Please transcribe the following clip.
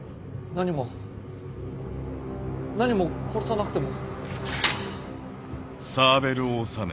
何も何も殺さなくても。